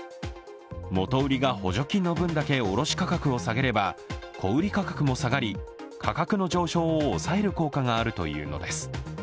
元売りが補助金の分だけ卸し価格を下げれば小売価格も下がり、価格の上昇を抑える効果があるというのです。